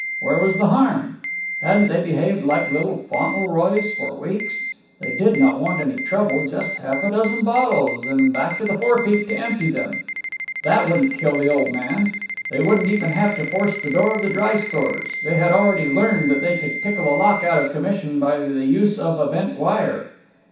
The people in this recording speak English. Where was the harm? Hadn't they behaved like little Fauntleroys for weeks? They did not want any trouble just half a dozen bottles, and back to the forepeak to empty them. That wouldn't kill the old man. They wouldn't even have to force the door of the dry stores; they had already learned that they could tickle the lock out of commission by the use of a bent wire.